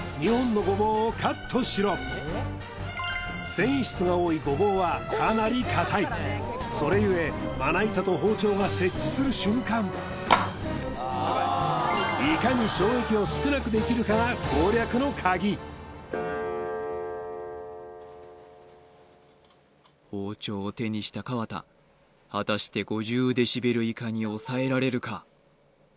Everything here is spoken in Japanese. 繊維質が多いゴボウはかなり硬いそれゆえまな板と包丁が接地する瞬間いかに衝撃を少なくできるかが攻略の鍵包丁を手にした河田果たして５０デシベル以下に抑えられるか？